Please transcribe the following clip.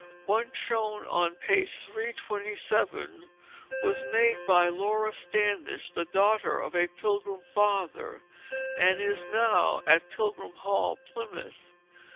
One shown on page 327 was made by Lora Standish, the daughter of a Pilgrim Father, and it is now at Pilgrim Hall, Plymouth.